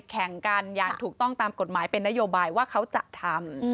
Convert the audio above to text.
แข่งกันอย่างถูกต้องตามกฎหมายเป็นนโยบายว่าเขาจะทำ